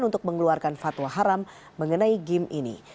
untuk mengeluarkan fatwa haram mengenai game ini